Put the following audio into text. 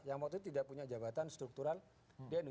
yang waktu itu tidak punya jabatan struktural di nu